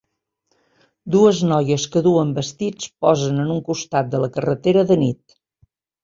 Dues noies que duen vestits posen en un costat de la carretera de nit.